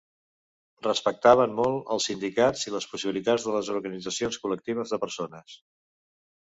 Respectaven molt els sindicats i les possibilitats de les organitzacions col·lectives de persones.